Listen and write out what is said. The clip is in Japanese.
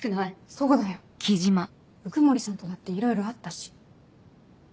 そうだよ鵜久森さんとだっていろいろあったしなら。